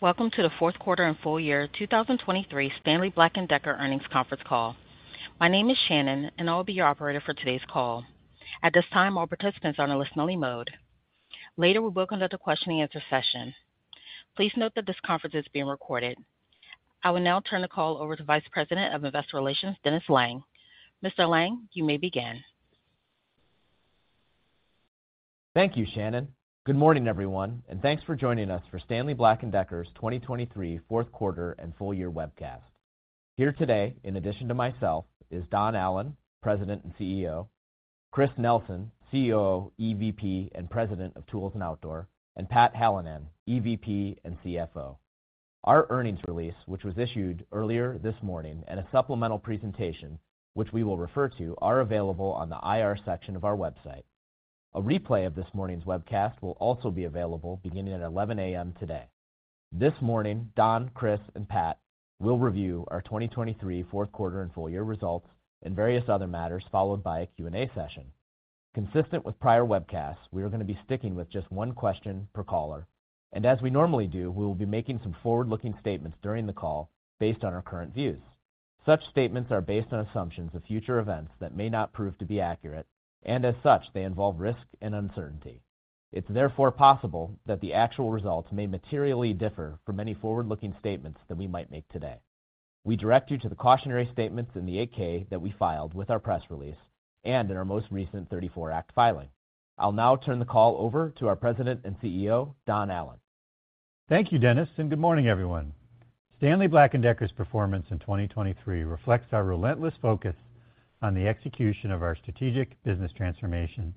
Welcome to the Fourth Quarter and Full Year 2023 Stanley Black & Decker Earnings Conference Call. My name is Shannon, and I will be your operator for today's call. At this time, all participants are in a listen-only mode. Later, we will conduct a question-and-answer session. Please note that this conference is being recorded. I will now turn the call over to Vice President of Investor Relations, Dennis Lange. Mr. Lange, you may begin. Thank you, Shannon. Good morning, everyone, and thanks for joining us for Stanley Black & Decker's 2023 Fourth Quarter and Full Year webcast. Here today, in addition to myself, is Don Allan, President and CEO, Chris Nelson, COO, EVP, and President of Tools & Outdoor, and Pat Hallinan, EVP and CFO. Our earnings release, which was issued earlier this morning, and a supplemental presentation, which we will refer to, are available on the IR section of our website. A replay of this morning's webcast will also be available beginning at 11 A.M. today. This morning, Don, Chris, and Pat will review our 2023 fourth quarter and full year results and various other matters, followed by a Q&A session. Consistent with prior webcasts, we are going to be sticking with just one question per caller, and as we normally do, we will be making some forward-looking statements during the call based on our current views. Such statements are based on assumptions of future events that may not prove to be accurate, and as such, they involve risk and uncertainty. It's therefore possible that the actual results may materially differ from any forward-looking statements that we might make today. We direct you to the cautionary statements in the 8-K that we filed with our press release and in our most recent 1934 Act filing. I'll now turn the call over to our President and CEO, Don Allan. Thank you, Dennis, and good morning, everyone. Stanley Black & Decker's performance in 2023 reflects our relentless focus on the execution of our strategic business transformation,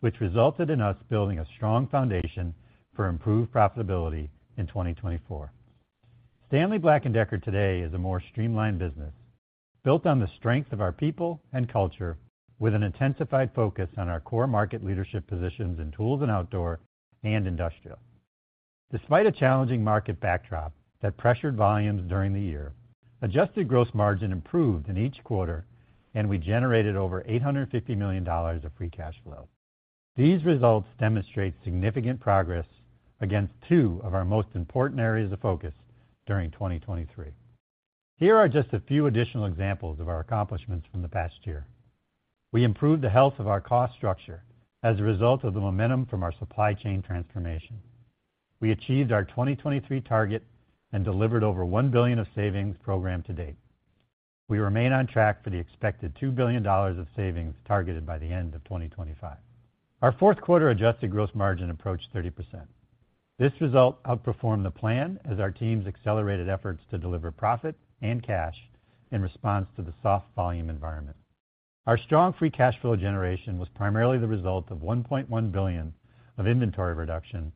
which resulted in us building a strong foundation for improved profitability in 2024. Stanley Black & Decker today is a more streamlined business, built on the strength of our people and culture, with an intensified focus on our core market leadership positions in tools and outdoor and industrial. Despite a challenging market backdrop that pressured volumes during the year, adjusted gross margin improved in each quarter, and we generated over $850 million of free cash flow. These results demonstrate significant progress against two of our most important areas of focus during 2023. Here are just a few additional examples of our accomplishments from the past year. We improved the health of our cost structure as a result of the momentum from our supply chain transformation. We achieved our 2023 target and delivered over $1 billion of savings programmed to date. We remain on track for the expected $2 billion of savings targeted by the end of 2025. Our fourth quarter adjusted gross margin approached 30%. This result outperformed the plan as our teams accelerated efforts to deliver profit and cash in response to the soft volume environment. Our strong free cash flow generation was primarily the result of $1.1 billion of inventory reduction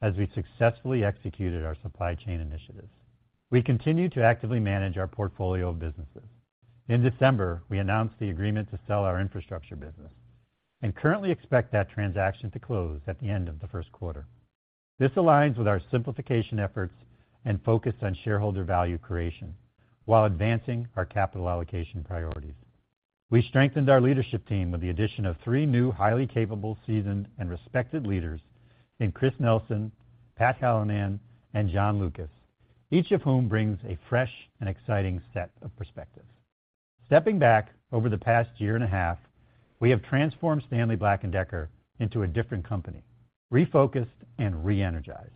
as we successfully executed our supply chain initiatives. We continue to actively manage our portfolio of businesses. In December, we announced the agreement to sell our infrastructure business and currently expect that transaction to close at the end of the first quarter. This aligns with our simplification efforts and focus on shareholder value creation while advancing our capital allocation priorities. We strengthened our leadership team with the addition of three new highly capable, seasoned, and respected leaders in Chris Nelson, Pat Hallinan, and John Lucas, each of whom brings a fresh and exciting set of perspectives. Stepping back over the past year and a half, we have transformed Stanley Black & Decker into a different company, refocused and re-energized.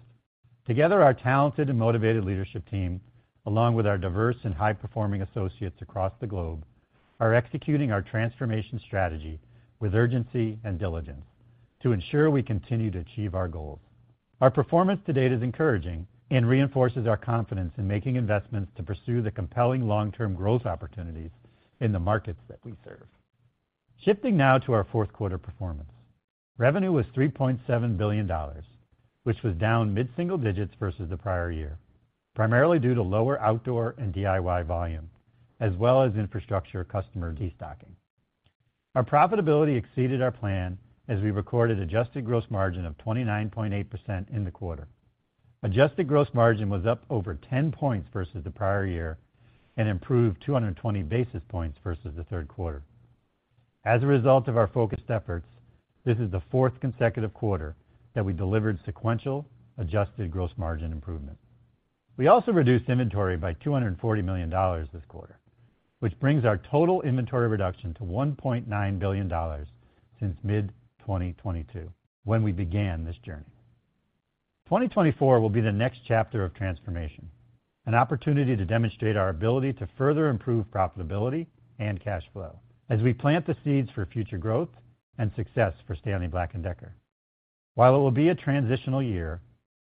Together, our talented and motivated leadership team, along with our diverse and high-performing associates across the globe, are executing our transformation strategy with urgency and diligence to ensure we continue to achieve our goals. Our performance to date is encouraging and reinforces our confidence in making investments to pursue the compelling long-term growth opportunities in the markets that we serve. Shifting now to our fourth quarter performance. Revenue was $3.7 billion, which was down mid-single digits versus the prior year, primarily due to lower outdoor and DIY volume, as well as infrastructure customer destocking. Our profitability exceeded our plan as we recorded adjusted gross margin of 29.8% in the quarter. Adjusted gross margin was up over 10 points versus the prior year and improved 220 basis points versus the third quarter. As a result of our focused efforts, this is the fourth consecutive quarter that we delivered sequential adjusted gross margin improvement. We also reduced inventory by $240 million this quarter, which brings our total inventory reduction to $1.9 billion since mid-2022, when we began this journey. 2024 will be the next chapter of transformation, an opportunity to demonstrate our ability to further improve profitability and cash flow as we plant the seeds for future growth and success for Stanley Black & Decker. While it will be a transitional year,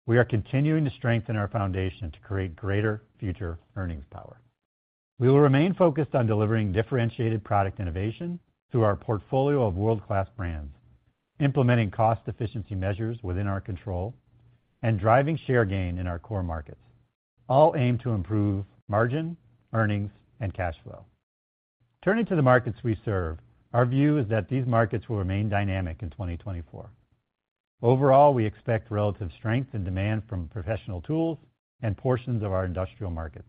we are continuing to strengthen our foundation to create greater future earnings power. We will remain focused on delivering differentiated product innovation through our portfolio of world-class brands, implementing cost efficiency measures within our control, and driving share gain in our core markets, all aimed to improve margin, earnings, and cash flow. Turning to the markets we serve, our view is that these markets will remain dynamic in 2024. Overall, we expect relative strength and demand from professional tools and portions of our industrial markets.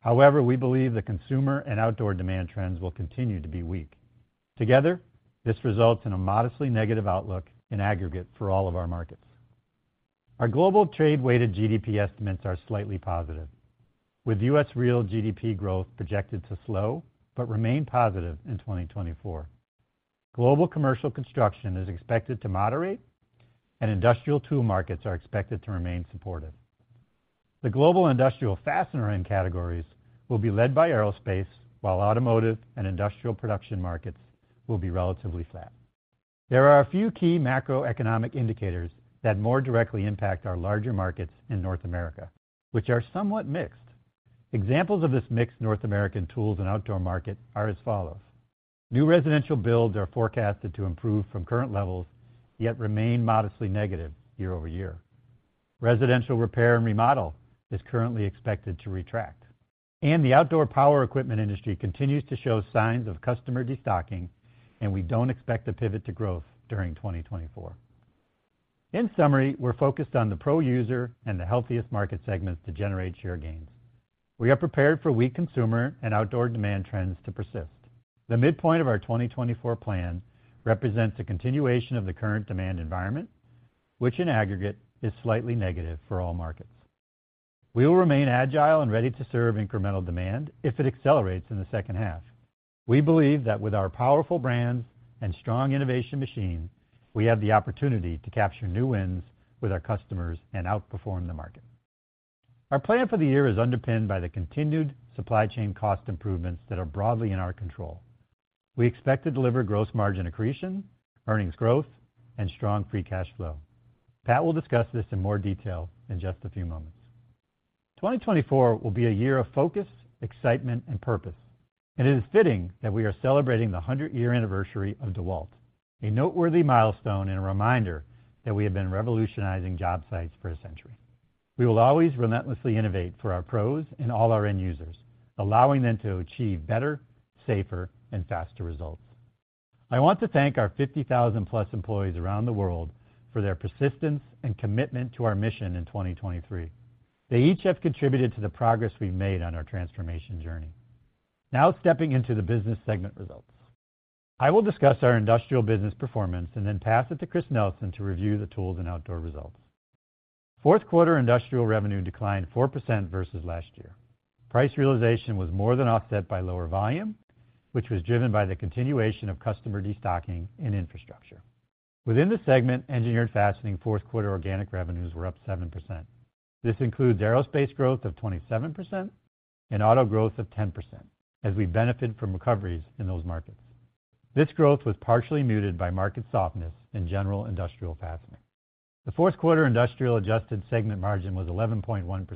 However, we believe the consumer and outdoor demand trends will continue to be weak. Together, this results in a modestly negative outlook in aggregate for all of our markets. Our global trade-weighted GDP estimates are slightly positive, with U.S. real GDP growth projected to slow but remain positive in 2024. Global commercial construction is expected to moderate, and industrial tool markets are expected to remain supportive. The global industrial fastener end categories will be led by aerospace, while automotive and industrial production markets will be relatively flat. There are a few key macroeconomic indicators that more directly impact our larger markets in North America, which are somewhat mixed. Examples of this mixed North American tools and outdoor market are as follows: New residential builds are forecasted to improve from current levels, yet remain modestly negative year-over-year. Residential repair and remodel is currently expected to retract, and the outdoor power equipment industry continues to show signs of customer destocking, and we don't expect a pivot to growth during 2024. In summary, we're focused on the pro user and the healthiest market segments to generate share gains. We are prepared for weak consumer and outdoor demand trends to persist. The midpoint of our 2024 plan represents a continuation of the current demand environment, which in aggregate is slightly negative for all markets. We will remain agile and ready to serve incremental demand if it accelerates in the second half. We believe that with our powerful brands and strong innovation machine, we have the opportunity to capture new wins with our customers and outperform the market. Our plan for the year is underpinned by the continued supply chain cost improvements that are broadly in our control. We expect to deliver gross margin accretion, earnings growth, and strong free cash flow. Pat will discuss this in more detail in just a few moments. 2024 will be a year of focus, excitement, and purpose, and it is fitting that we are celebrating the 100-year anniversary of DEWALT, a noteworthy milestone and a reminder that we have been revolutionizing job sites for a century. We will always relentlessly innovate for our pros and all our end users, allowing them to achieve better, safer, and faster results. I want to thank our 50,000-plus employees around the world for their persistence and commitment to our mission in 2023. They each have contributed to the progress we've made on our transformation journey. Now, stepping into the business segment results. I will discuss our industrial business performance and then pass it to Chris Nelson to review the tools and outdoor results. Fourth quarter industrial revenue declined four percent versus last year. Price realization was more than offset by lower volume, which was driven by the continuation of customer destocking and infrastructure. Within the segment, Engineered Fastening fourth quarter organic revenues were up seven percent. This includes aerospace growth of 27% and auto growth of 10%, as we benefit from recoveries in those markets. This growth was partially muted by market softness and general industrial fastening. The fourth quarter industrial adjusted segment margin was 11.1%,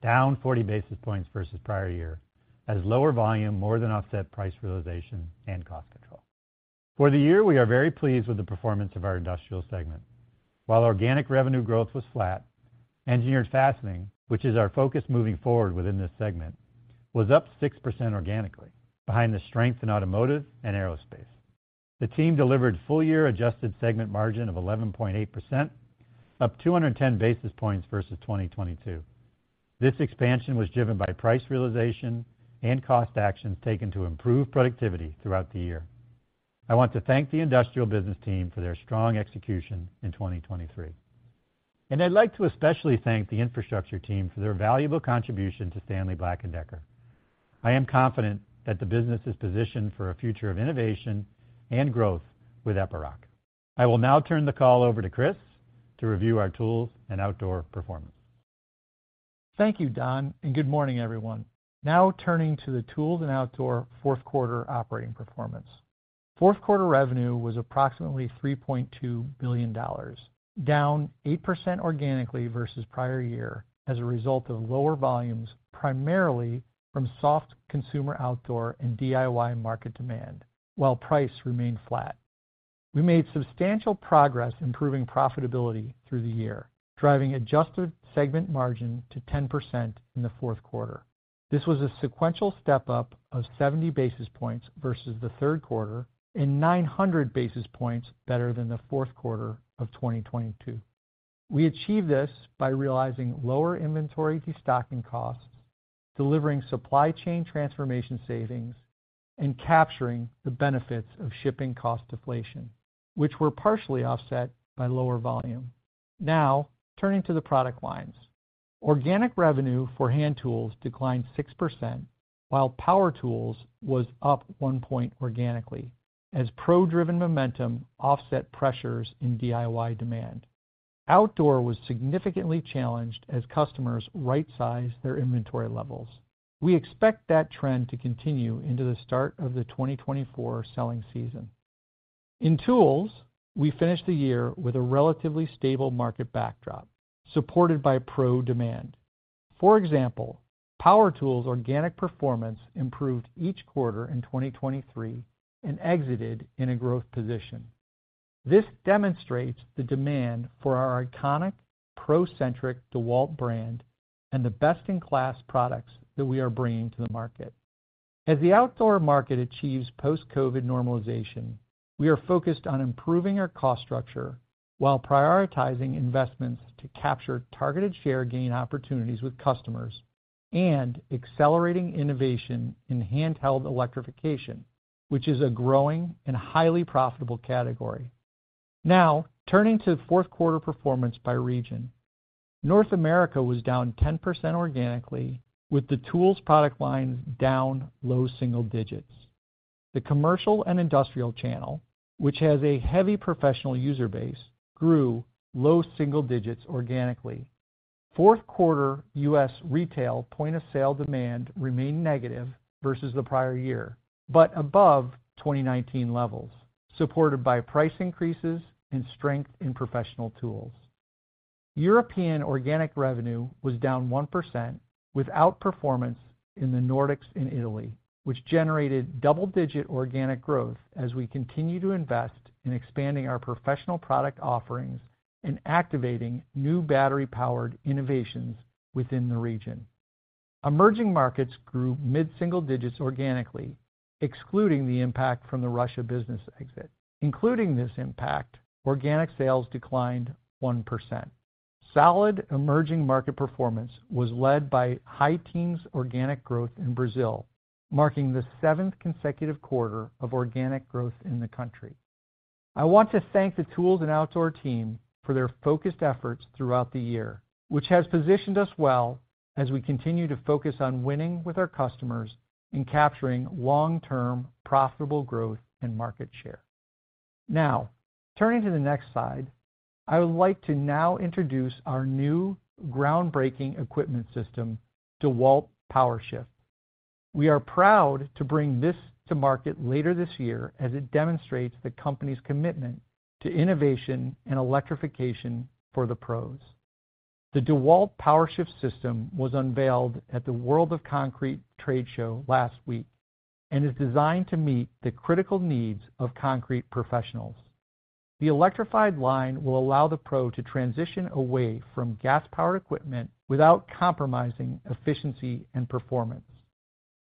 down 40 basis points versus prior year, as lower volume more than offset price realization and cost control. For the year, we are very pleased with the performance of our industrial segment. While organic revenue growth was flat, Engineered Fastening, which is our focus moving forward within this segment, was up six percent organically behind the strength in automotive and aerospace. The team delivered full-year adjusted segment margin of 11.8%, up 210 basis points versus 2022. This expansion was driven by price realization and cost actions taken to improve productivity throughout the year. I want to thank the industrial business team for their strong execution in 2023, and I'd like to especially thank the infrastructure team for their valuable contribution to Stanley Black & Decker. I am confident that the business is positioned for a future of innovation and growth with Epiroc. I will now turn the call over to Chris to review our Tools & Outdoor performance. Thank you, Don, and good morning, everyone. Now turning to the tools and outdoor fourth quarter operating performance. Fourth quarter revenue was approximately $3.2 billion, down eight percent organically versus prior year as a result of lower volumes, primarily from soft consumer, outdoor, and DIY market demand, while price remained flat. We made substantial progress improving profitability through the year, driving adjusted segment margin to 10% in the fourth quarter. This was a sequential step up of 70 basis points versus the third quarter and 900 basis points better than the fourth quarter of 2022. We achieved this by realizing lower inventory destocking costs, delivering supply chain transformation savings, and capturing the benefits of shipping cost deflation, which were partially offset by lower volume. Now, turning to the product lines. Organic revenue for hand tools declined six percent, while power tools was up one percent organically as pro-driven momentum offset pressures in DIY demand. Outdoor was significantly challenged as customers right-sized their inventory levels. We expect that trend to continue into the start of the 2024 selling season. In tools, we finished the year with a relatively stable market backdrop supported by pro demand. For example, power tools organic performance improved each quarter in 2023 and exited in a growth position. This demonstrates the demand for our iconic pro-centric DEWALT brand and the best-in-class products that we are bringing to the market. As the outdoor market achieves post-COVID normalization, we are focused on improving our cost structure while prioritizing investments to capture targeted share gain opportunities with customers and accelerating innovation in handheld electrification, which is a growing and highly profitable category. Now, turning to fourth quarter performance by region. North America was down 10% organically, with the tools product line down low single-digits. The commercial and industrial channel, which has a heavy professional user base, grew low single-digits organically. Fourth quarter U.S. retail point-of-sale demand remained negative versus the prior year, but above 2019 levels, supported by price increases and strength in professional tools. European organic revenue was down one percent, with outperformance in the Nordics and Italy, which generated double-digit organic growth as we continue to invest in expanding our professional product offerings and activating new battery-powered innovations within the region. Emerging markets grew mid-single digits organically, excluding the impact from the Russia business exit. Including this impact, organic sales declined one percent. Solid emerging market performance was led by high teens organic growth in Brazil, marking the seventh consecutive quarter of organic growth in the country. I want to thank the Tools & Outdoor team for their focused efforts throughout the year, which has positioned us well as we continue to focus on winning with our customers and capturing long-term, profitable growth and market share. Now, turning to the next slide, I would like to now introduce our new groundbreaking equipment system, DEWALT POWERSHIFT. We are proud to bring this to market later this year, as it demonstrates the company's commitment to innovation and electrification for the pros. The DEWALT POWERSHIFT system was unveiled at the World of Concrete trade show last week and is designed to meet the critical needs of concrete professionals. The electrified line will allow the pro to transition away from gas-powered equipment without compromising efficiency and performance.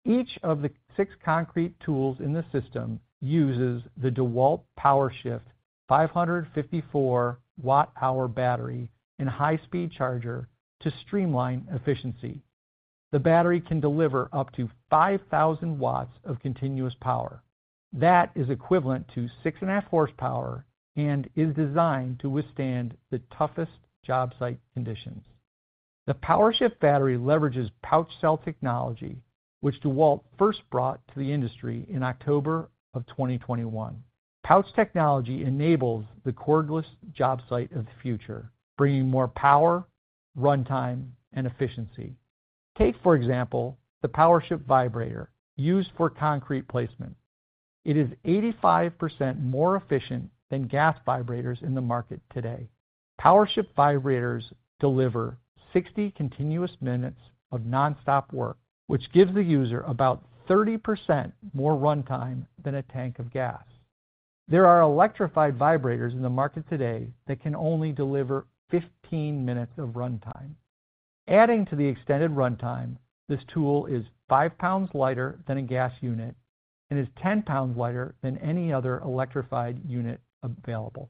Each of the six concrete tools in the system uses the DEWALT POWERSHIFT 554 W-hour battery and high-speed charger to streamline efficiency. The battery can deliver up to 5,000 W of continuous power. That is equivalent to 6.5 horsepower and is designed to withstand the toughest job site conditions. The POWERSHIFT battery leverages pouch cell technology, which DEWALT first brought to the industry in October 2021. Pouch Technology enables the cordless job site of the future, bringing more power, runtime, and efficiency. Take, for example, the POWERSHIFT vibrator used for concrete placement. It is 85% more efficient than gas vibrators in the market today. POWERSHIFT vibrators deliver 60 continuous minutes of nonstop work, which gives the user about 30% more runtime than a tank of gas. There are electrified vibrators in the market today that can only deliver 15 minutes of runtime. Adding to the extended runtime, this tool is 5 lbs lighter than a gas unit and is 10 lbs lighter than any other electrified unit available.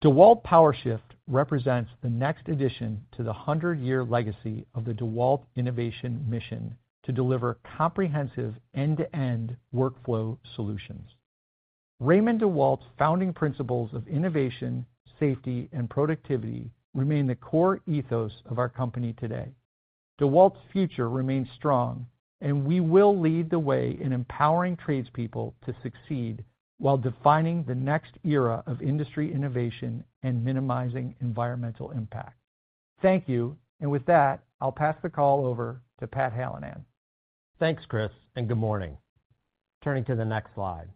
DEWALT POWERSHIFT represents the next addition to the 100-year legacy of the DEWALT innovation mission to deliver comprehensive end-to-end workflow solutions. Raymond DeWalt's founding principles of innovation, safety, and productivity remain the core ethos of our company today. DEWALT's future remains strong, and we will lead the way in empowering tradespeople to succeed while defining the next era of industry innovation and minimizing environmental impact. Thank you. And with that, I'll pass the call over to Pat Hallinan. Thanks, Chris, and good morning. Turning to the next slide.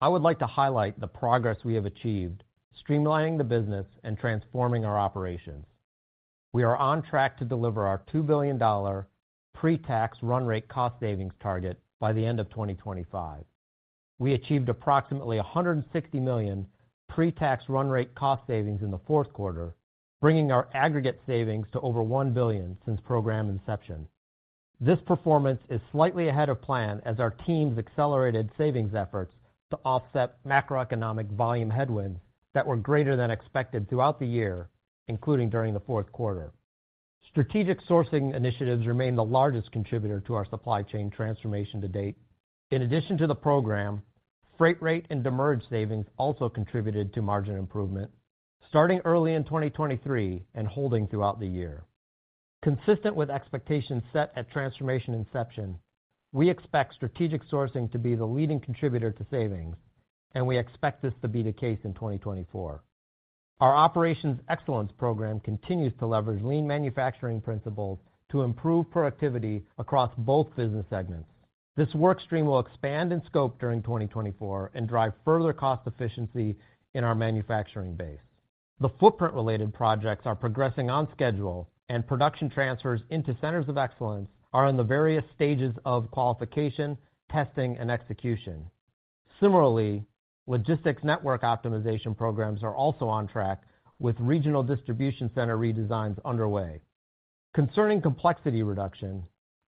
I would like to highlight the progress we have achieved, streamlining the business and transforming our operations. We are on track to deliver our $2 billion pre-tax run rate cost savings target by the end of 2025. We achieved approximately $160 million pre-tax run rate cost savings in the fourth quarter, bringing our aggregate savings to over $1 billion since program inception. This performance is slightly ahead of plan as our teams accelerated savings efforts to offset macroeconomic volume headwinds that were greater than expected throughout the year, including during the fourth quarter. Strategic sourcing initiatives remain the largest contributor to our supply chain transformation to date. In addition to the program, freight rate and demurrage savings also contributed to margin improvement starting early in 2023 and holding throughout the year. Consistent with expectations set at transformation inception, we expect strategic sourcing to be the leading contributor to savings, and we expect this to be the case in 2024. Our Operational Excellence program continues to leverage lean manufacturing principles to improve productivity across both business segments. This work stream will expand in scope during 2024 and drive further cost efficiency in our manufacturing base. The footprint-related projects are progressing on schedule, and production transfers into centers of excellence are in the various stages of qualification, testing, and execution. Similarly, logistics network optimization programs are also on track, with regional distribution center redesigns underway. Concerning complexity reduction,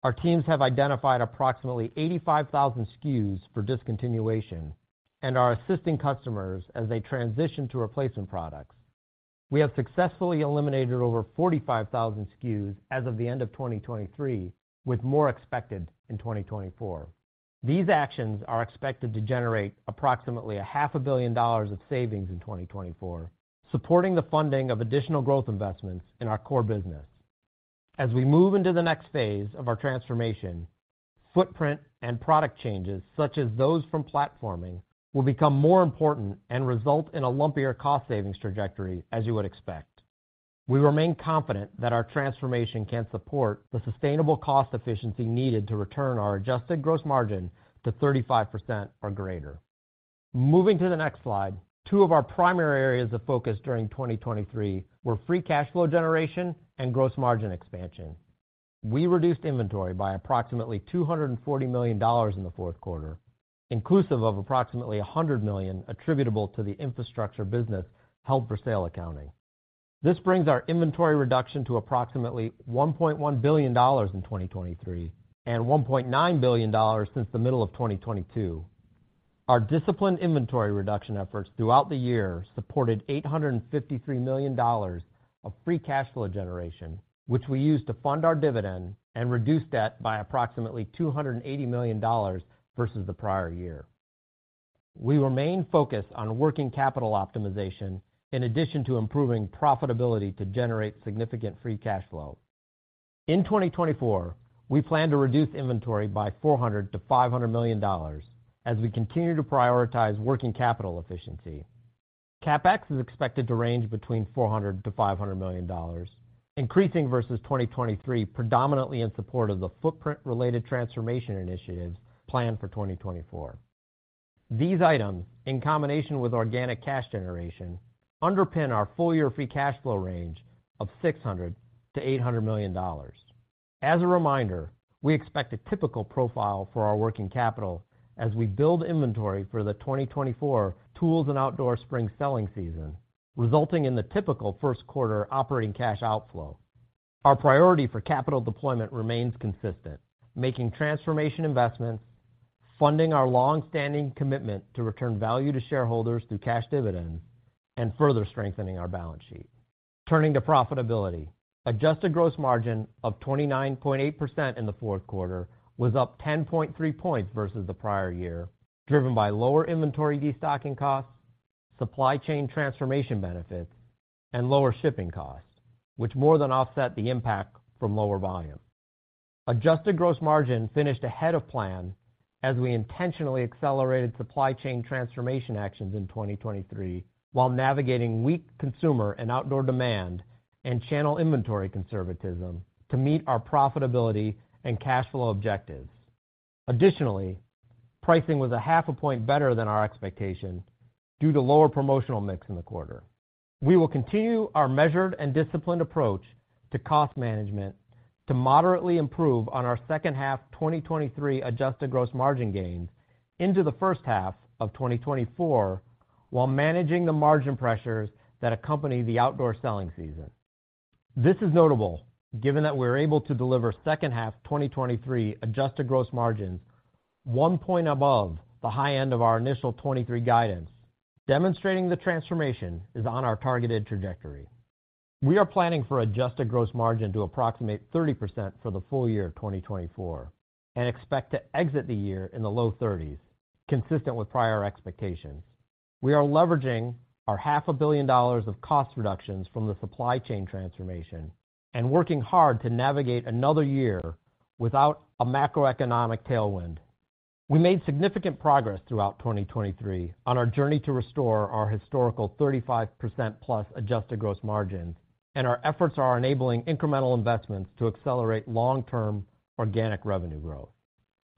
our teams have identified approximately 85,000 SKUs for discontinuation and are assisting customers as they transition to replacement products. We have successfully eliminated over 45,000 SKUs as of the end of 2023, with more expected in 2024. These actions are expected to generate approximately $500 million of savings in 2024, supporting the funding of additional growth investments in our core business. As we move into the next phase of our transformation, footprint and product changes, such as those from platforming, will become more important and result in a lumpier cost savings trajectory, as you would expect. We remain confident that our transformation can support the sustainable cost efficiency needed to return our adjusted gross margin to 35% or greater. Moving to the next slide, two of our primary areas of focus during 2023 were free cash flow generation and gross margin expansion. We reduced inventory by approximately $240 million in the fourth quarter, inclusive of approximately $100 million attributable to the infrastructure business held for sale accounting. This brings our inventory reduction to approximately $1.1 billion in 2023 and $1.9 billion since the middle of 2022. Our disciplined inventory reduction efforts throughout the year supported $853 million of free cash flow generation, which we used to fund our dividend and reduce debt by approximately $280 million versus the prior year. We remain focused on working capital optimization in addition to improving profitability to generate significant free cash flow. In 2024, we plan to reduce inventory by $400 million-$500 million as we continue to prioritize working capital efficiency. CapEx is expected to range between $400 million-$500 million, increasing versus 2023, predominantly in support of the footprint-related transformation initiatives planned for 2024. These items, in combination with organic cash generation, underpin our full-year free cash flow range of $600 million-$800 million. As a reminder, we expect a typical profile for our working capital as we build inventory for the 2024 Tools & Outdoor spring selling season, resulting in the typical first quarter operating cash outflow. Our priority for capital deployment remains consistent, making transformation investments, funding our long-standing commitment to return value to shareholders through cash dividends, and further strengthening our balance sheet. Turning to profitability. Adjusted gross margin of 29.8% in the fourth quarter was up 10.3 points versus the prior year, driven by lower inventory destocking costs, supply chain transformation benefits, and lower shipping costs, which more than offset the impact from lower volume. Adjusted gross margin finished ahead of plan as we intentionally accelerated supply chain transformation actions in 2023, while navigating weak consumer and outdoor demand and channel inventory conservatism to meet our profitability and cash flow objectives. Additionally, pricing was half a point better than our expectation due to lower promotional mix in the quarter. We will continue our measured and disciplined approach to cost management to moderately improve on our second half 2023 adjusted gross margin gains into the first half of 2024, while managing the margin pressures that accompany the outdoor selling season. This is notable, given that we were able to deliver second half 2023 adjusted gross margins one point above the high end of our initial 2023 guidance, demonstrating the transformation is on our targeted trajectory. We are planning for adjusted gross margin to approximate 30% for the full year of 2024 and expect to exit the year in the low 30s, consistent with prior expectations. We are leveraging our $500 million of cost reductions from the supply chain transformation and working hard to navigate another year without a macroeconomic tailwind. We made significant progress throughout 2023 on our journey to restore our historical 35%+ adjusted gross margin, and our efforts are enabling incremental investments to accelerate long-term organic revenue growth.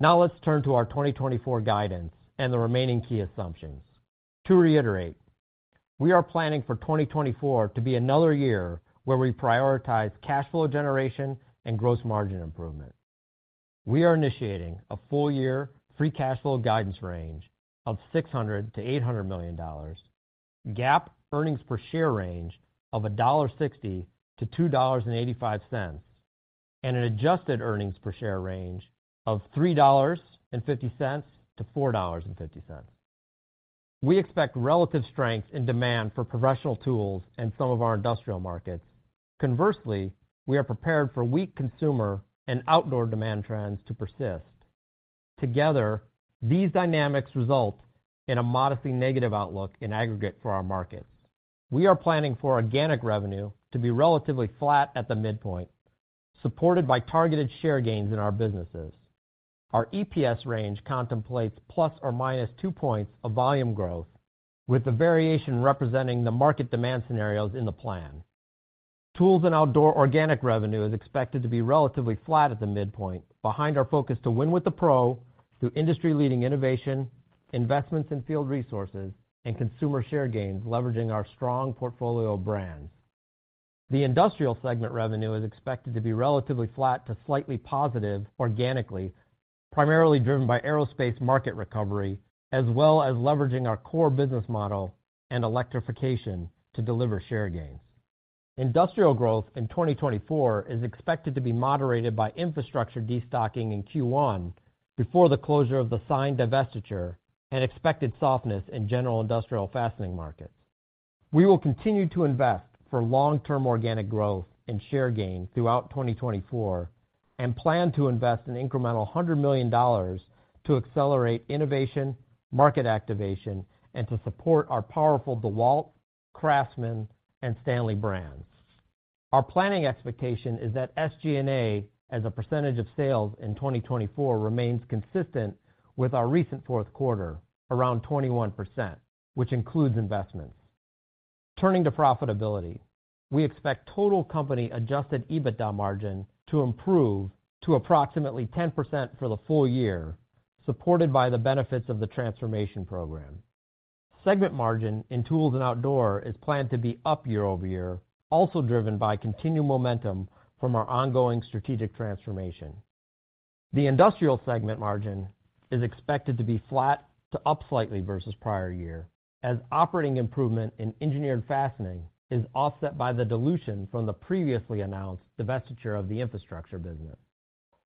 Now, let's turn to our 2024 guidance and the remaining key assumptions. To reiterate, we are planning for 2024 to be another year where we prioritize cash flow generation and gross margin improvement. We are initiating a full-year free cash flow guidance range of $600 million-$800 million, GAAP earnings per share range of $1.60-$2.85, and an adjusted earnings per share range of $3.50-$4.50. We expect relative strength in demand for professional tools in some of our industrial markets. Conversely, we are prepared for weak consumer and outdoor demand trends to persist. Together, these dynamics result in a modestly negative outlook in aggregate for our markets. We are planning for organic revenue to be relatively flat at the midpoint, supported by targeted share gains in our businesses. Our EPS range contemplates ±2 points of volume growth, with the variation representing the market demand scenarios in the plan. Tools & Outdoor organic revenue is expected to be relatively flat at the midpoint, behind our focus to win with the pro through industry-leading innovation, investments in field resources, and consumer share gains, leveraging our strong portfolio of brands. The industrial segment revenue is expected to be relatively flat to slightly positive organically, primarily driven by aerospace market recovery, as well as leveraging our core business model and electrification to deliver share gains. Industrial growth in 2024 is expected to be moderated by infrastructure destocking in Q1 before the closure of the signed divestiture and expected softness in general industrial fastening markets. We will continue to invest for long-term organic growth and share gain throughout 2024, and plan to invest an incremental $100 million to accelerate innovation, market activation, and to support our powerful DEWALT, CRAFTSMAN, and STANLEY brands. Our planning expectation is that SG&A, as a percentage of sales in 2024, remains consistent with our recent fourth quarter, around 21%, which includes investments. Turning to profitability, we expect total company adjusted EBITDA margin to improve to approximately 10% for the full year, supported by the benefits of the transformation program. Segment margin in tools and outdoor is planned to be up year-over-year, also driven by continued momentum from our ongoing strategic transformation. The industrial segment margin is expected to be flat to up slightly versus prior year, as operating improvement in Engineered Fastening is offset by the dilution from the previously announced divestiture of the infrastructure business.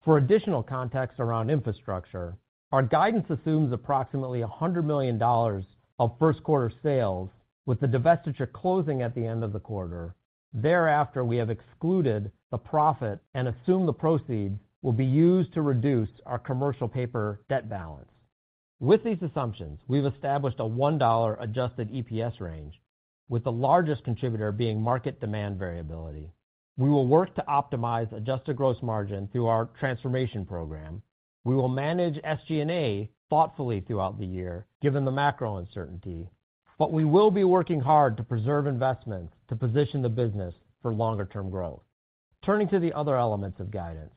For additional context around infrastructure, our guidance assumes approximately $100 million of first quarter sales, with the divestiture closing at the end of the quarter. Thereafter, we have excluded the profit and assume the proceeds will be used to reduce our commercial paper debt balance. With these assumptions, we've established a $1 adjusted EPS range, with the largest contributor being market demand variability. We will work to optimize adjusted gross margin through our transformation program. We will manage SG&A thoughtfully throughout the year, given the macro uncertainty, but we will be working hard to preserve investments to position the business for longer-term growth. Turning to the other elements of guidance.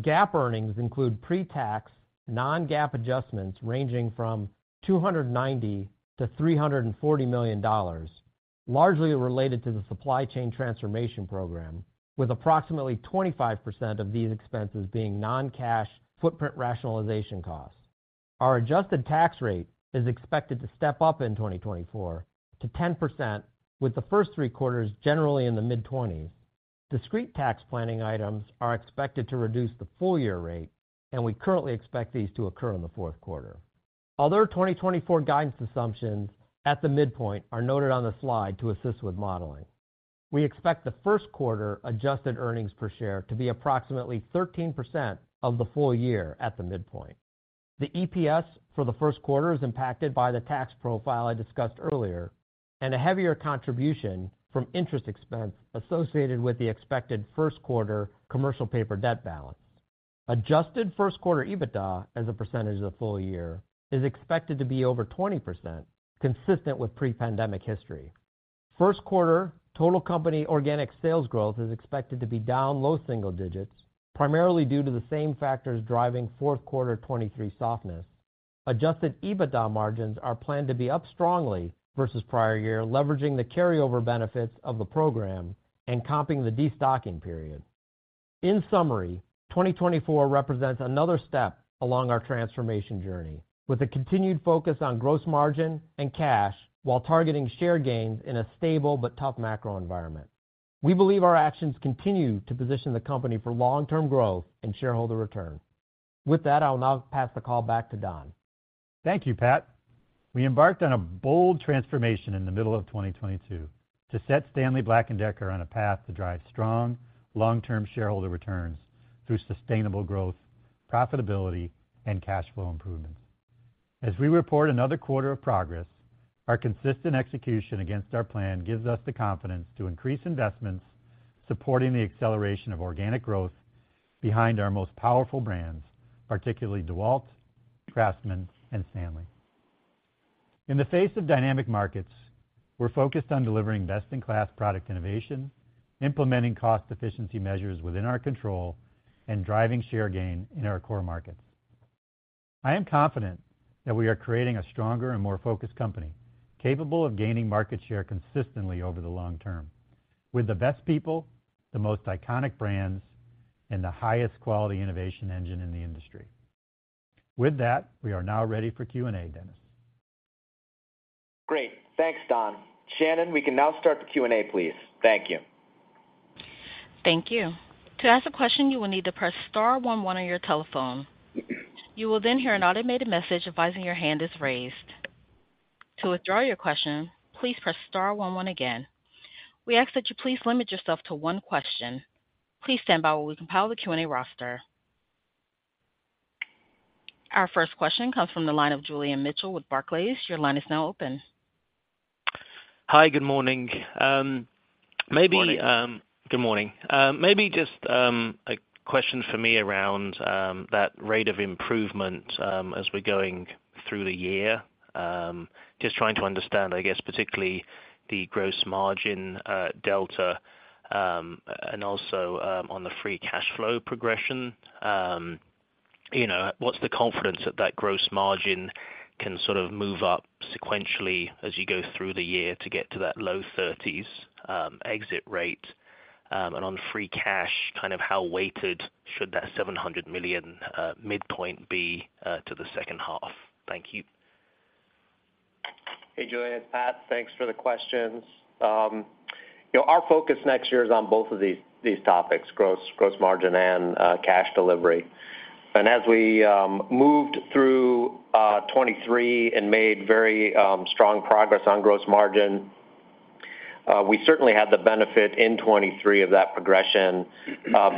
GAAP earnings include pre-tax, non-GAAP adjustments ranging from $290 million-$340 million, largely related to the supply chain transformation program, with approximately 25% of these expenses being non-cash footprint rationalization costs. Our adjusted tax rate is expected to step up in 2024 to 10%, with the first three quarters generally in the mid-20%s. Discrete tax planning items are expected to reduce the full year rate, and we currently expect these to occur in the fourth quarter. Other 2024 guidance assumptions at the midpoint are noted on the slide to assist with modeling. We expect the first quarter adjusted earnings per share to be approximately 13% of the full year at the midpoint. The EPS for the first quarter is impacted by the tax profile I discussed earlier, and a heavier contribution from interest expense associated with the expected first quarter commercial paper debt balance. Adjusted first quarter EBITDA, as a percentage of the full year, is expected to be over 20%, consistent with pre-pandemic history. First quarter total company organic sales growth is expected to be down low single-digits, primarily due to the same factors driving fourth quarter 2023 softness. Adjusted EBITDA margins are planned to be up strongly versus prior year, leveraging the carryover benefits of the program and comping the destocking period. In summary, 2024 represents another step along our transformation journey, with a continued focus on gross margin and cash, while targeting share gains in a stable but tough macro environment. We believe our actions continue to position the company for long-term growth and shareholder return. With that, I'll now pass the call back to Don. Thank you, Pat. We embarked on a bold transformation in the middle of 2022 to set Stanley Black & Decker on a path to drive strong, long-term shareholder returns through sustainable growth, profitability, and cash flow improvements. As we report another quarter of progress, our consistent execution against our plan gives us the confidence to increase investments, supporting the acceleration of organic growth behind our most powerful brands, particularly DEWALT, CRAFTSMAN, and STANLEY. In the face of dynamic markets, we're focused on delivering best-in-class product innovation, implementing cost efficiency measures within our control, and driving share gain in our core markets. I am confident that we are creating a stronger and more focused company, capable of gaining market share consistently over the long term, with the best people, the most iconic brands, and the highest quality innovation engine in the industry. With that, we are now ready for Q&A, Dennis. Great. Thanks, Don. Shannon, we can now start the Q&A, please. Thank you. Thank you. To ask a question, you will need to press star one one on your telephone. You will then hear an automated message advising your hand is raised. To withdraw your question, please press star one one again. We ask that you please limit yourself to one question. Please stand by while we compile the Q&A roster. Our first question comes from the line of Julian Mitchell with Barclays. Your line is now open. Hi, good morning. Good morning. Good morning. Maybe just a question for me around that rate of improvement as we're going through the year. Just trying to understand, I guess, particularly the gross margin delta, and also on the free cash flow progression. You know, what's the confidence that that gross margin can sort of move up sequentially as you go through the year to get to that low 30s exit rate? And on free cash, kind of how weighted should that $700 million midpoint be to the second half? Thank you. Hey, Julian, it's Pat. Thanks for the questions. You know, our focus next year is on both of these, these topics, gross, gross margin and cash delivery. And as we moved through 2023 and made very strong progress on gross margin, we certainly had the benefit in 2023 of that progression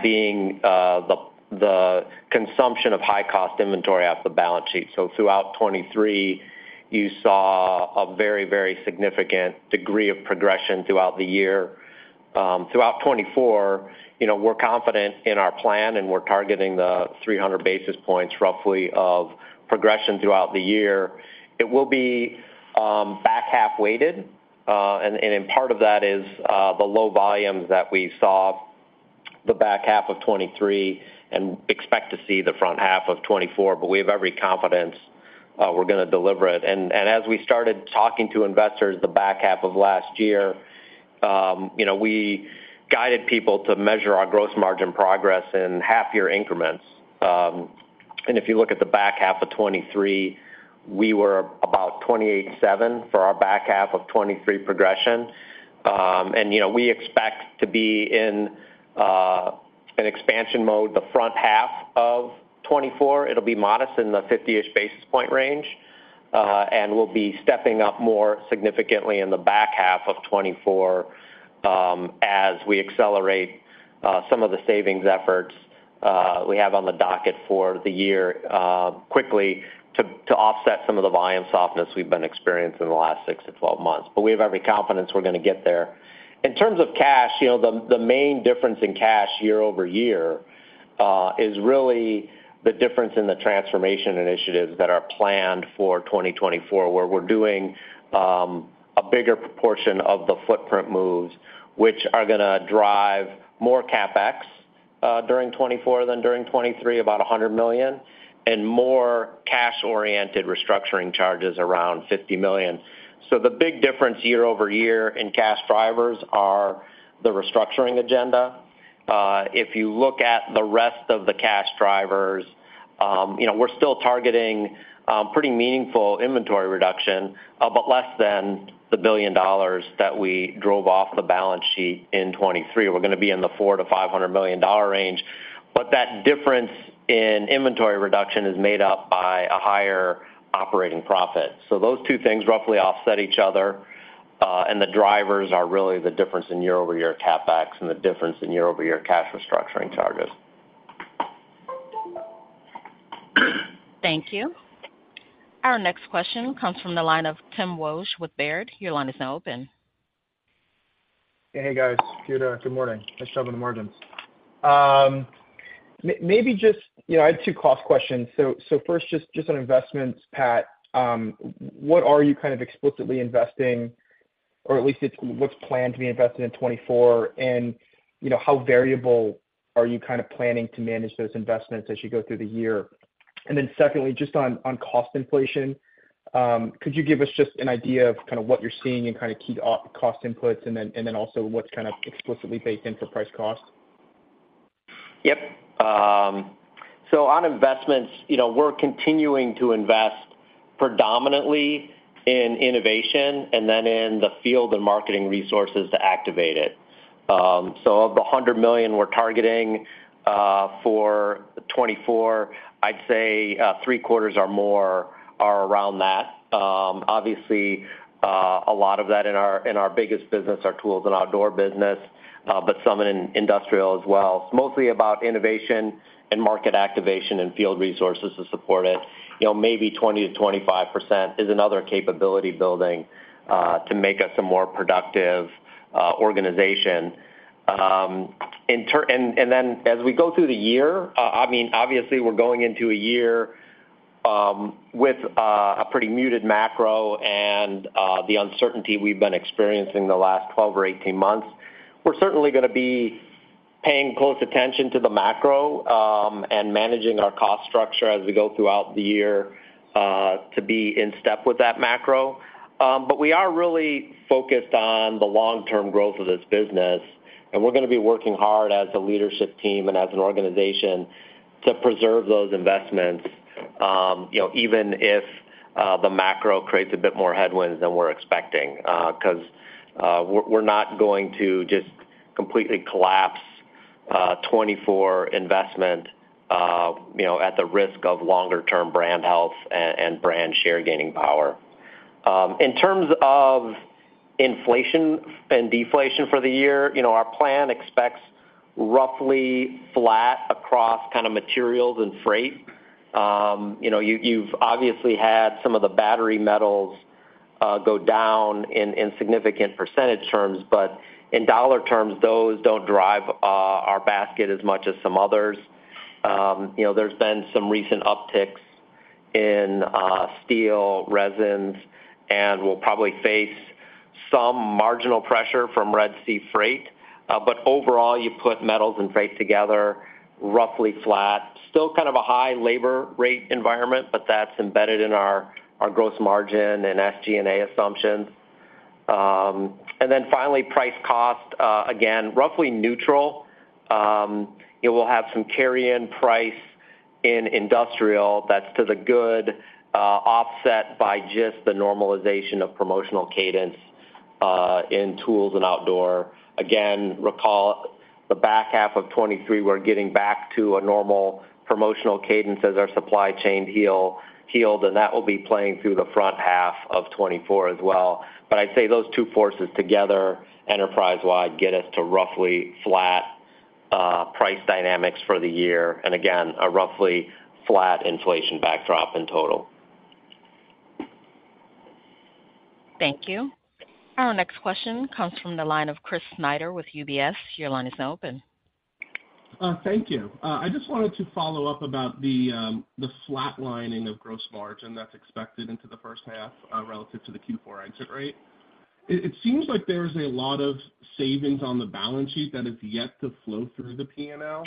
being the consumption of high-cost inventory off the balance sheet. So throughout 2023, you saw a very, very significant degree of progression throughout the year. Throughout 2024, you know, we're confident in our plan, and we're targeting the 300 basis points, roughly, of progression throughout the year. It will be back-half weighted, and part of that is the low volumes that we saw the back half of 2023 and expect to see the front half of 2024. But we have every confidence we're gonna deliver it. And as we started talking to investors the back half of last year, you know, we guided people to measure our gross margin progress in half year increments. And if you look at the back half of 2023, we were about 28.7 for our back half of 2023 progression. And, you know, we expect to be in an expansion mode the front half of 2024. It'll be modest in the 50-ish basis point range, and we'll be stepping up more significantly in the back half of 2024, as we accelerate some of the savings efforts we have on the docket for the year, quickly to offset some of the volume softness we've been experiencing in the last six to 12 months. But we have every confidence we're gonna get there. In terms of cash, you know, the main difference in cash year-over-year is really the difference in the transformation initiatives that are planned for 2024, where we're doing a bigger proportion of the footprint moves, which are gonna drive more CapEx during 2024 than during 2023, about $100 million, and more cash-oriented restructuring charges, around $50 million. So the big difference year-over-year in cash drivers are the restructuring agenda. If you look at the rest of the cash drivers, you know, we're still targeting pretty meaningful inventory reduction, but less than the $1 billion that we drove off the balance sheet in 2023. We're gonna be in the $400 million-$500 million range, but that difference in inventory reduction is made up by a higher operating profit. So those two things roughly offset each other, and the drivers are really the difference in year-over-year CapEx and the difference in year-over-year cash restructuring charges. Thank you. Our next question comes from the line of Tim Wojs with Baird. Your line is now open. Hey, guys. Good morning. Nice job on the margins. Maybe just, you know, I had two cost questions. So first, just on investments, Pat, what are you kind of explicitly investing, or at least what's planned to be invested in 2024? And, you know, how variable are you kind of planning to manage those investments as you go through the year? And then secondly, just on cost inflation, could you give us just an idea of kind of what you're seeing in kind of key cost inputs and then also what's kind of explicitly baked in for price cost? Yep. So on investments, you know, we're continuing to invest predominantly in innovation and then in the field and marketing resources to activate it. So of the $100 million we're targeting for 2024, I'd say three quarters or more are around that. Obviously, a lot of that in our biggest business, our Tools & Outdoor business, but some in industrial as well. It's mostly about innovation and market activation and field resources to support it. You know, maybe 20%-25% is another capability building to make us a more productive organization. And then as we go through the year, I mean, obviously, we're going into a year with a pretty muted macro and the uncertainty we've been experiencing the last 12 or 18 months. We're certainly gonna be paying close attention to the macro, and managing our cost structure as we go throughout the year, to be in step with that macro. But we are really focused on the long-term growth of this business, and we're gonna be working hard as a leadership team and as an organization to preserve those investments, you know, even if the macro creates a bit more headwinds than we're expecting. 'Cause, we're not going to just completely collapse, 2024 investment, you know, at the risk of longer term brand health and brand share gaining power. In terms of inflation and deflation for the year, you know, our plan expects roughly flat across kind of materials and freight. You know, you've obviously had some of the battery metals go down in significant percentage terms, but in dollar terms, those don't drive our basket as much as some others. You know, there's been some recent upticks in steel, resins, and we'll probably face some marginal pressure from Red Sea freight. But overall, you put metals and freight together, roughly flat. Still kind of a high labor rate environment, but that's embedded in our gross margin and SG&A assumptions. And then finally, price cost, again, roughly neutral. It will have some carry-in price in industrial that's to the good, offset by just the normalization of promotional cadence in tools and outdoor. Again, recall the back half of 2023. We're getting back to a normal promotional cadence as our supply chain healed, and that will be playing through the front half of 2024 as well. But I'd say those two forces together, enterprise-wide, get us to roughly flat price dynamics for the year, and again, a roughly flat inflation backdrop in total. Thank you. Our next question comes from the line of Chris Snyder with UBS. Your line is now open. Thank you. I just wanted to follow up about the flatlining of gross margin that's expected into the first half, relative to the Q4 exit rate. It seems like there's a lot of savings on the balance sheet that is yet to flow through the P&L.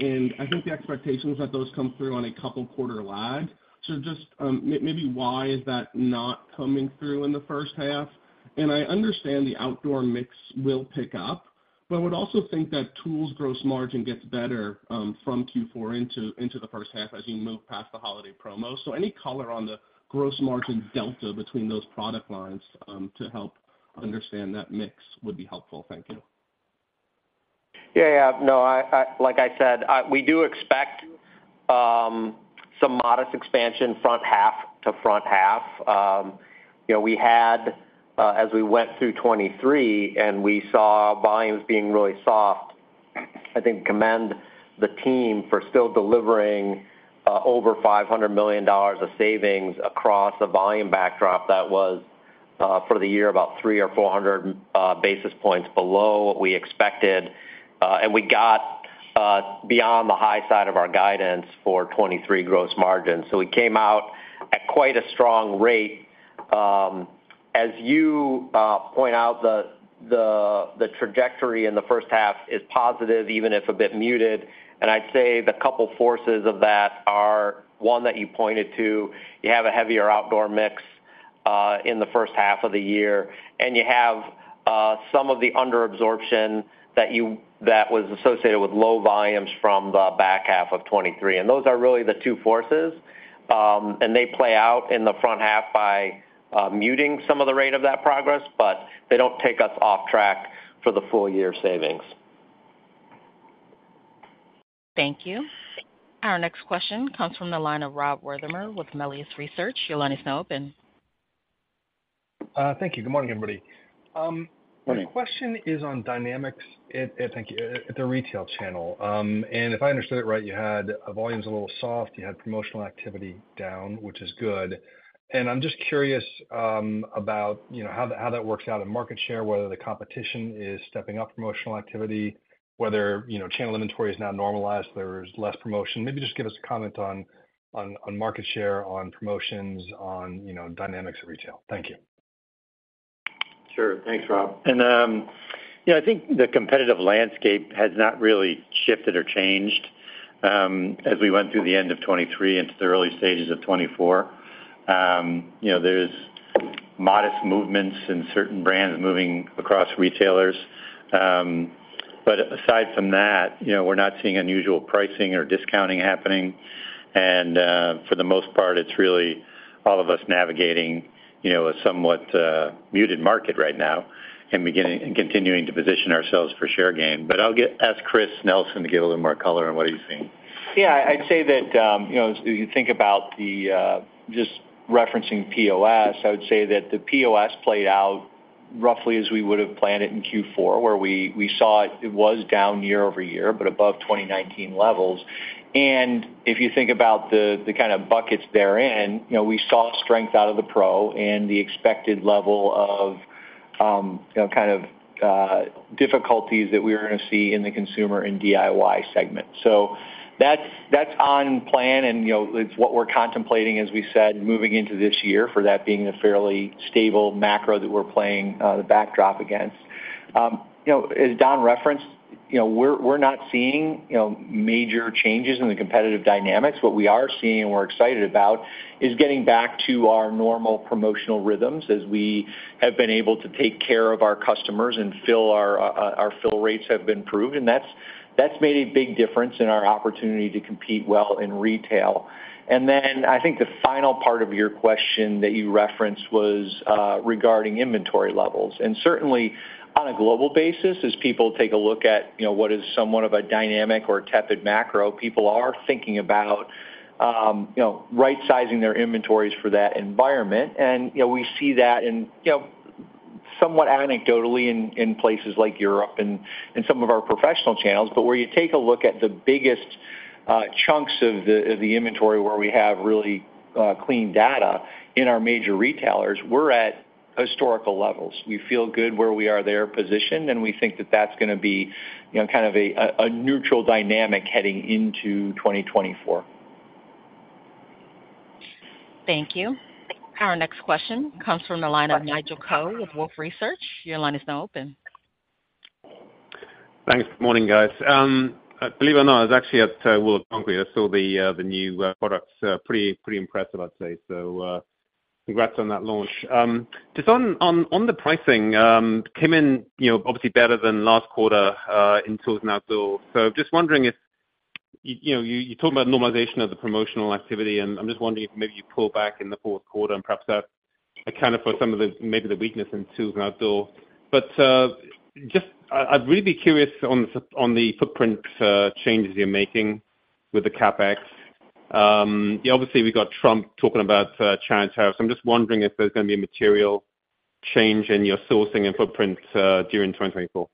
And I think the expectations that those come through on a couple quarter lag. So just, maybe why is that not coming through in the first half? And I understand the outdoor mix will pick up, but I would also think that tools gross margin gets better, from Q4 into the first half as you move past the holiday promo. So any color on the gross margin delta between those product lines, to help understand that mix would be helpful. Thank you. Yeah, yeah. No, like I said, we do expect some modest expansion front half to front half. You know, we had, as we went through 2023, and we saw volumes being really soft, I think, commend the team for still delivering over $500 million of savings across the volume backdrop. That was for the year, about 300 or 400 basis points below what we expected, and we got beyond the high side of our guidance for 2023 gross margin. So we came out at quite a strong rate. As you point out, the trajectory in the first half is positive, even if a bit muted. And I'd say the couple forces of that are one that you pointed to, you have a heavier outdoor mix in the first half of the year, and you have some of the under absorption that was associated with low volumes from the back half of 2023. And those are really the two forces, and they play out in the front half by muting some of the rate of that progress, but they don't take us off track for the full year savings. Thank you. Our next question comes from the line of Rob Wertheimer with Melius Research. Your line is now open. Thank you. Good morning, everybody. Good morning. My question is on dynamics at the retail channel. Thank you. And if I understood it right, you had volumes a little soft, you had promotional activity down, which is good. And I'm just curious about, you know, how that works out in market share, whether the competition is stepping up promotional activity, whether, you know, channel inventory is now normalized, there's less promotion. Maybe just give us a comment on market share, on promotions, on, you know, dynamics of retail. Thank you. Sure. Thanks, Rob. And, you know, I think the competitive landscape has not really shifted or changed, as we went through the end of 2023 into the early stages of 2024. You know, there's modest movements in certain brands moving across retailers. But aside from that, you know, we're not seeing unusual pricing or discounting happening, and, for the most part, it's really all of us navigating, you know, a somewhat muted market right now and beginning and continuing to position ourselves for share gain. But I'll ask Chris Nelson to give a little more color on what he's seeing. Yeah, I'd say that, you know, as you think about the, just referencing POS, I would say that the POS played out roughly as we would have planned it in Q4, where we saw it, it was down year-over-year, but above 2019 levels. If you think about the kind of buckets therein, you know, we saw strength out of the pro and the expected level of, you know, kind of difficulties that we were going to see in the consumer and DIY segment. That's on plan, and, you know, it's what we're contemplating, as we said, moving into this year, for that being a fairly stable macro that we're playing the backdrop against. You know, as Don referenced, you know, we're not seeing, you know, major changes in the competitive dynamics. What we are seeing, and we're excited about, is getting back to our normal promotional rhythms as we have been able to take care of our customers and fill our, our fill rates have been improved, and that's made a big difference in our opportunity to compete well in retail. And then I think the final part of your question that you referenced was, regarding inventory levels. And certainly, on a global basis, as people take a look at, you know, what is somewhat of a dynamic or a tepid macro, people are thinking about, you know, right-sizing their inventories for that environment. And, you know, we see that in, you know, somewhat anecdotally in places like Europe and in some of our professional channels. But where you take a look at the biggest chunks of the inventory, where we have really clean data in our major retailers, we're at historical levels. We feel good where we are there positioned, and we think that that's gonna be, you know, kind of a neutral dynamic heading into 2024. Thank you. Our next question comes from the line of Nigel Coe with Wolfe Research. Your line is now open. Thanks. Good morning, guys. Believe it or not, I was actually at World of Concrete. I saw the new products. Pretty, pretty impressive, I'd say. So, congrats on that launch. Just on the pricing, came in, you know, obviously better than last quarter in Tools & Outdoor. So just wondering if, you know, you talked about normalization of the promotional activity, and I'm just wondering if maybe you pull back in the fourth quarter and perhaps that accounted for some of the, maybe the weakness in Tools & Outdoor. But, just, I'd really be curious on the footprint changes you're making with the CapEx. Yeah, obviously, we got Trump talking about China tariffs. I'm just wondering if there's gonna be a material change in your sourcing and footprint during 2024. Yeah.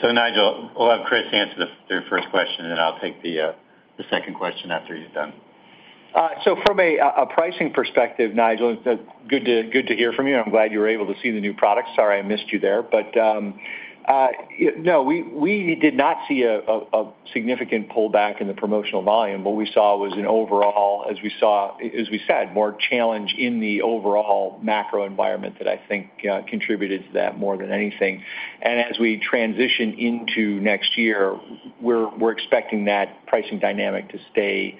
So Nigel, I'll have Chris answer the, your first question, and then I'll take the second question after he's done. So from a pricing perspective, Nigel, good to hear from you. I'm glad you were able to see the new products. Sorry, I missed you there. But no, we did not see a significant pullback in the promotional volume. What we saw was an overall, as we said, more challenge in the overall macro environment that I think contributed to that more than anything. And as we transition into next year, we're expecting that pricing dynamic to stay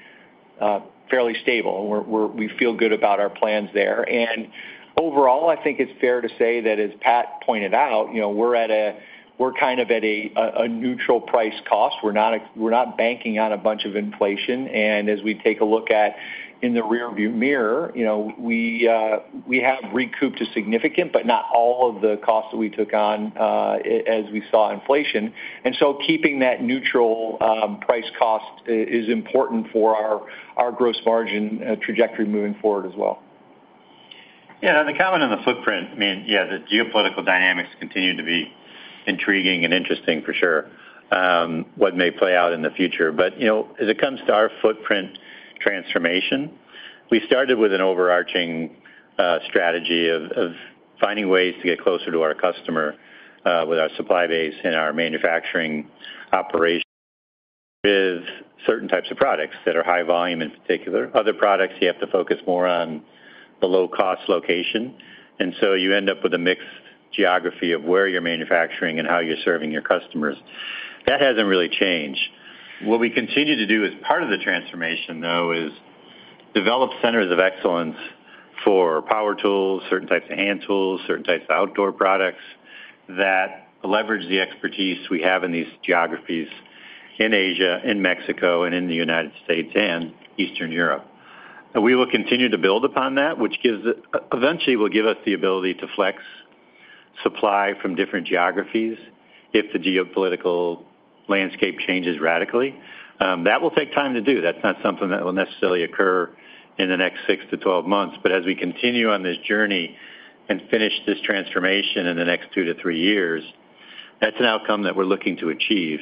fairly stable, and we feel good about our plans there. And overall, I think it's fair to say that, as Pat pointed out, you know, we're kind of at a neutral price cost. We're not banking on a bunch of inflation, and as we take a look at in the rearview mirror, you know, we, we have recouped a significant, but not all of the costs that we took on, as we saw inflation. And so keeping that neutral, price cost is important for our, our gross margin, trajectory moving forward as well. Yeah, and the comment on the footprint, I mean, yeah, the geopolitical dynamics continue to be intriguing and interesting for sure, what may play out in the future. You know, as it comes to our footprint transformation, we started with an overarching strategy of finding ways to get closer to our customer with our supply base and our manufacturing operations. With certain types of products that are high volume, in particular. Other products, you have to focus more on the low-cost location, and so you end up with a mixed geography of where you're manufacturing and how you're serving your customers. That hasn't really changed. What we continue to do as part of the transformation, though, is develop centers of excellence for power tools, certain types of hand tools, certain types of outdoor products, that leverage the expertise we have in these geographies in Asia, in Mexico, and in the United States and Eastern Europe. And we will continue to build upon that, which gives it, eventually will give us the ability to flex supply from different geographies if the geopolitical landscape changes radically. That will take time to do. That's not something that will necessarily occur in the next six to 12 months. But as we continue on this journey and finish this transformation in the next two to three years, that's an outcome that we're looking to achieve.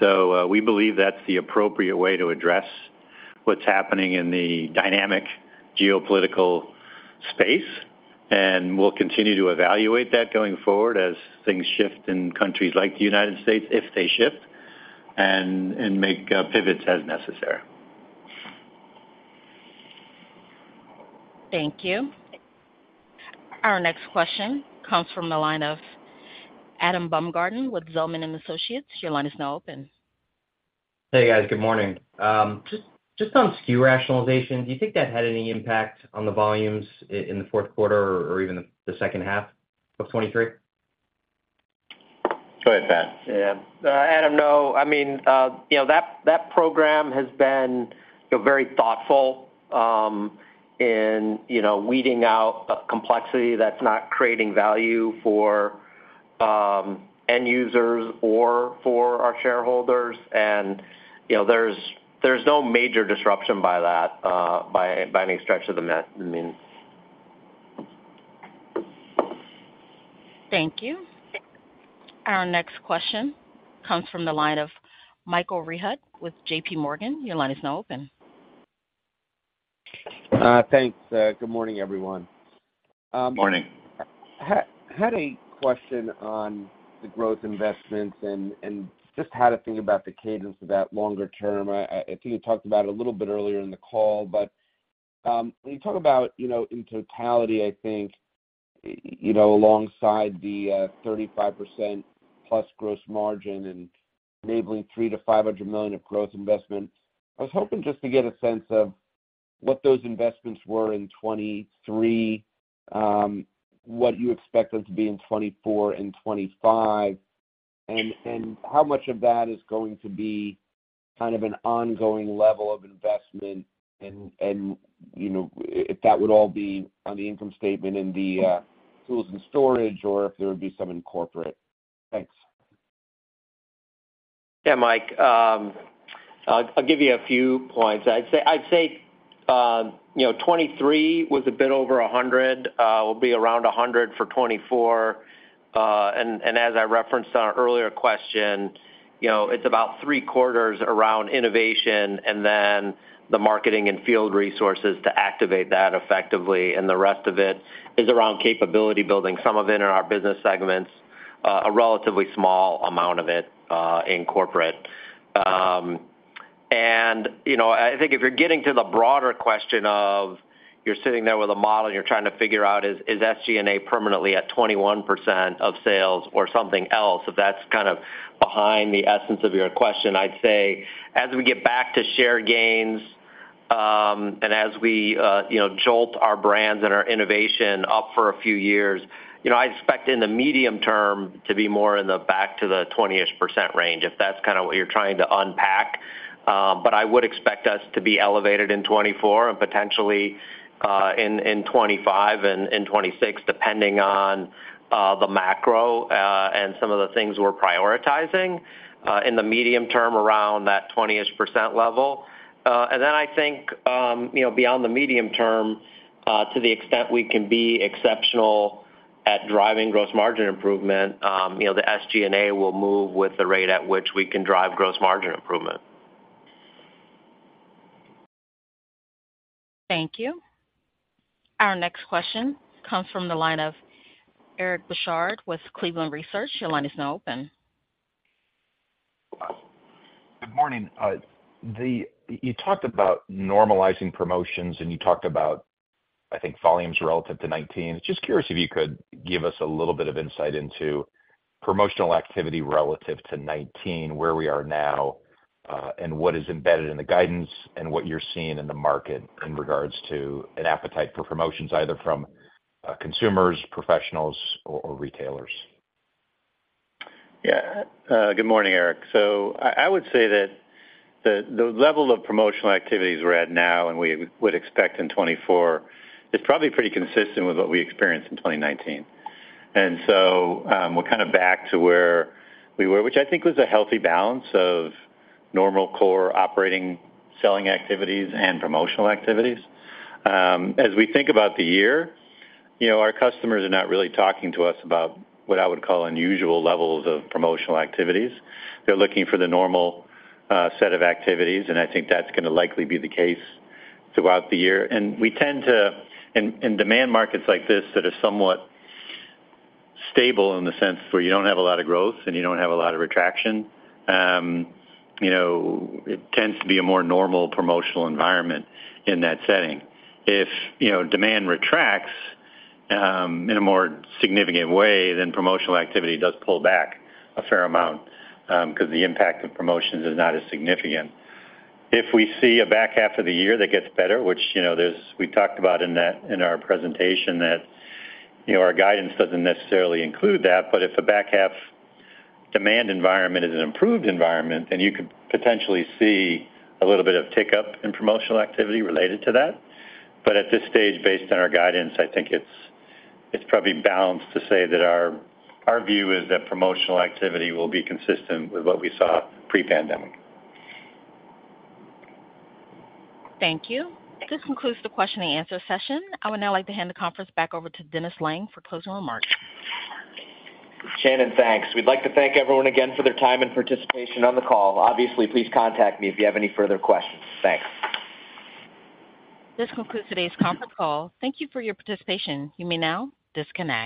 So, we believe that's the appropriate way to address what's happening in the dynamic geopolitical space, and we'll continue to evaluate that going forward as things shift in countries like the United States, if they shift, and make pivots as necessary. Thank you. Our next question comes from the line of Adam Baumgarten with Zelman & Associates. Your line is now open. Hey, guys. Good morning. Just, just on SKU rationalization, do you think that had any impact on the volumes in the fourth quarter or even the second half of 2023? Go ahead, Pat. Yeah. Adam, no. I mean, you know, that program has been, you know, very thoughtful in you know, weeding out a complexity that's not creating value for end users or for our shareholders. And, you know, there's no major disruption by that, by any stretch of the imagination. I mean. Thank you. Our next question comes from the line of Michael Rehaut with JPMorgan. Your line is now open. Thanks, good morning, everyone. Morning. Had a question on the growth investments and just how to think about the cadence of that longer term. I think you talked about it a little bit earlier in the call, but when you talk about, you know, in totality, I think you know, alongside the 35%+ gross margin and enabling $300 million-$500 million of growth investment, I was hoping just to get a sense of what those investments were in 2023, what you expect them to be in 2024 and 2025, and how much of that is going to be kind of an ongoing level of investment? And you know, if that would all be on the income statement in the tools and storage, or if there would be some in corporate. Thanks. Yeah, Mike, I'll give you a few points. I'd say, you know, 2023 was a bit over $100, will be around $100 for 2024. And, and as I referenced on an earlier question, you know, it's about three quarters around innovation and then the marketing and field resources to activate that effectively, and the rest of it is around capability building, some of it in our business segments, a relatively small amount of it in corporate. And, you know, I think if you're getting to the broader question of you're sitting there with a model, and you're trying to figure out is, is SG&A permanently at 21% of sales or something else? If that's kind of behind the essence of your question, I'd say, as we get back to share gains, and as we, you know, jolt our brands and our innovation up for a few years, you know, I expect in the medium term to be more in the back to the 20-ish percent range, if that's kind of what you're trying to unpack. But I would expect us to be elevated in 2024 and potentially, in 2025 and 2026, depending on, the macro, and some of the things we're prioritizing, in the medium term around that 20-ish percent level. And then I think, you know, beyond the medium term, to the extent we can be exceptional at driving gross margin improvement, you know, the SG&A will move with the rate at which we can drive gross margin improvement. Thank you. Our next question comes from the line of Eric Bosshard with Cleveland Research. Your line is now open. Good morning. You talked about normalizing promotions, and you talked about, I think, volumes relative to 2019. Just curious if you could give us a little bit of insight into promotional activity relative to 2019, where we are now, and what is embedded in the guidance and what you're seeing in the market in regards to an appetite for promotions, either from consumers, professionals, or retailers. Yeah. Good morning, Eric. So I would say that the level of promotional activities we're at now and we would expect in 2024 is probably pretty consistent with what we experienced in 2019. And so, we're kind of back to where we were, which I think was a healthy balance of normal core operating, selling activities and promotional activities. As we think about the year, you know, our customers are not really talking to us about what I would call unusual levels of promotional activities. They're looking for the normal set of activities, and I think that's gonna likely be the case throughout the year. And we tend to, in demand markets like this, that are somewhat stable in the sense where you don't have a lot of growth and you don't have a lot of retraction, you know, it tends to be a more normal promotional environment in that setting. If, you know, demand retracts in a more significant way, then promotional activity does pull back a fair amount, because the impact of promotions is not as significant. If we see a back half of the year that gets better, which, you know, we talked about in that, in our presentation, that, you know, our guidance doesn't necessarily include that, but if a back half demand environment is an improved environment, then you could potentially see a little bit of tick up in promotional activity related to that. But at this stage, based on our guidance, I think it's probably balanced to say that our view is that promotional activity will be consistent with what we saw pre-pandemic. Thank you. This concludes the question-and-answer session. I would now like to hand the conference back over to Dennis Lange for closing remarks. Shannon, thanks. We'd like to thank everyone again for their time and participation on the call. Obviously, please contact me if you have any further questions. Thanks. This concludes today's conference call. Thank you for your participation. You may now disconnect.